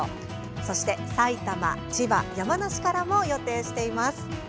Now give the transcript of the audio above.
そして、埼玉、千葉、山梨からも予定しています。